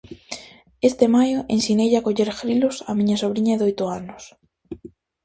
Este maio ensineille a coller grilos á miña sobriña de oito anos.